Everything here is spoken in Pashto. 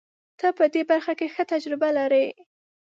ته په دې برخه کې ښه تجربه لرې.